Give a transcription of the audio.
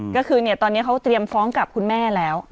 ก็คือตอนนี้เขาเตรียมฟ้องกับคุณแม่แล้ว